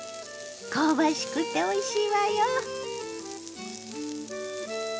香ばしくておいしいわよ。